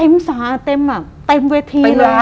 เต็มสาเต็มอ่ะเต็มเวทีเลย